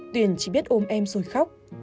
tuyển chỉ biết ôm em rồi khóc